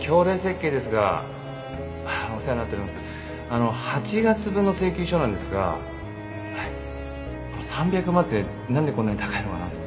あの８月分の請求書なんですが３００万ってなんでこんなに高いのかなと思って。